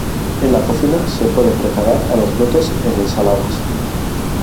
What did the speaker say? En la cocina se puede preparar a los brotes en ensaladas.